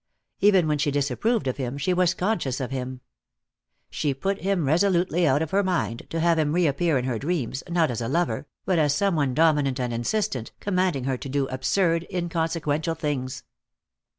Even when she disapproved of him, she was conscious of him. She put him resolutely out of her mind, to have him reappear in her dreams, not as a lover, but as some one dominant and insistent, commanding her to do absurd, inconsequential things.